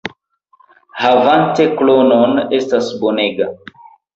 Havante klonon estas bonega!